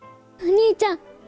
お兄ちゃん。